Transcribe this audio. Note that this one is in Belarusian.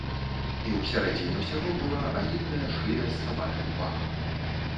І ў сярэдзіне ўсяго была агідная шыя з сабачым пахам.